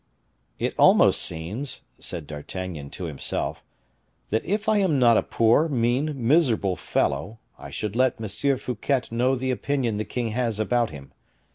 "It almost seems," said D'Artagnan to himself, "that if I am not a poor, mean, miserable fellow, I should let M. Fouquet know the opinion the king has about him.